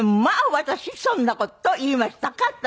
「まあ私そんな事言いましたか？」